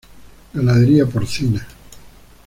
Ganadería porcina.